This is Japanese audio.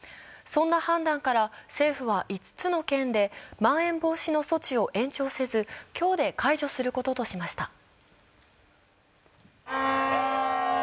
そんな判断から政府は５つの県でまん延防止の措置を延長せず今日で解除することとしました。